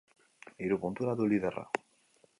Hiru puntura du liderra.